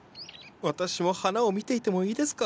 私も花を見ていてもいいですか？